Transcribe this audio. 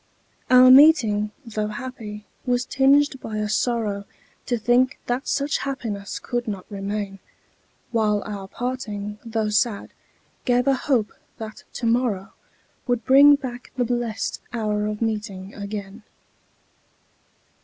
Our meeting, tho' happy, was tinged by a sorrow To think that such happiness could not remain; While our parting, tho' sad, gave a hope that to morrow Would bring back the blest hour of meeting again.